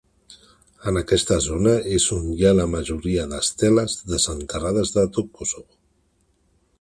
En aquesta zona és on hi ha la majoria d'esteles desenterrades de tot Kosovo.